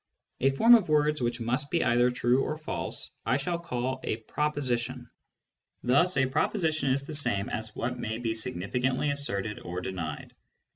A form of words which must be either true or false I shall call a proposition. Thus a proposition is the same as what may be significantly asserted or denied.